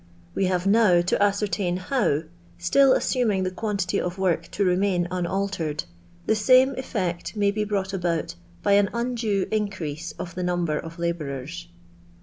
We have now to ascer tain how, still assuming the quantity of work to remain unaltered, the same cH'ect may be brought about by au undue iticrease of the number of labom efs.